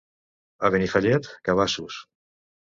A Benifallet, cabassos.